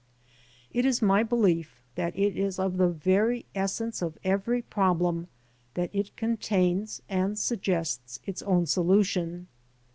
It is my belief that it is of the very essence of every problem that it contains and suggests its own solution.